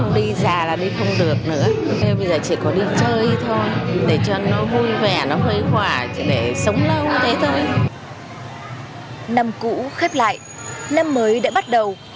năm cũ khép lại năm mới đã bắt đầu